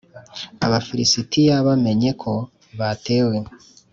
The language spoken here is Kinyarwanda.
Abafilisitiya bamenye ko batewe